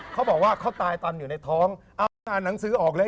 เขาบอกว่าเขาตายตอนอยู่ในท้องเอาอ่านหนังสือออกเลย